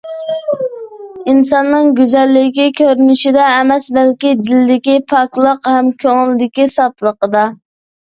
ئىنساننىڭ گۈزەللىكى كۆرۈنۈشىدە ئەمەس، بەلكى دىلىدىكى پاكلىق ھەم كۆڭلىدىكى ساپلىقىدا.